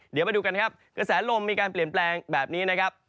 เดี๋ยวไปดูกันครับเกษลลมมีการเปลี่ยนแปลงแบบนี้